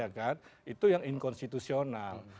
ya kan itu yang inkonstitusional